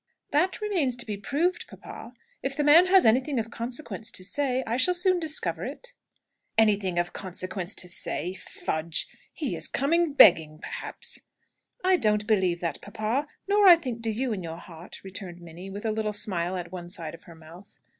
"That remains to be proved, papa. If the man has anything of consequence to say, I shall soon discover it." "Anything of consequence to say? Fudge! He is coming begging, perhaps " "I don't believe that, papa. Nor, I think, do you in your heart," returned Minnie, with a little smile at one side of her mouth.